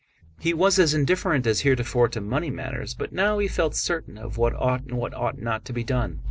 He was as indifferent as heretofore to money matters, but now he felt certain of what ought and what ought not to be done.